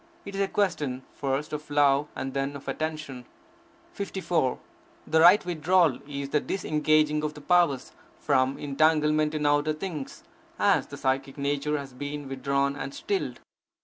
It is a question, first, of love, and then of attention. 54. The right Withdrawal is the disengaging of the powers from entanglement in outer things, as the psychic nature has been withdrawn and stilled.